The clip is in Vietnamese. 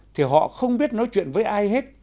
thì họ không biết nói chuyện với ai hết